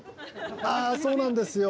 あそうなんですよ。